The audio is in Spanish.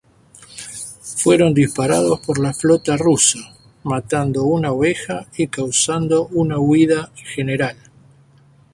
Fueron disparados por la flota rusa, matando una oveja y causando una huida general.